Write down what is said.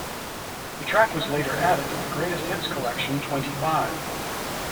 The track was later added to the greatest hits collection "Twenty Five".